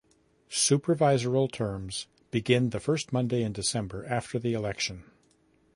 Supervisorial terms begin the first Monday in December after the election.